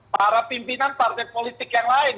para pimpinan partai politik yang lain